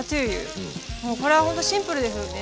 これはほんとシンプルですよね。